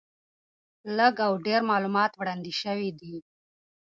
لږ او ډېر معلومات وړاندې شوي دي.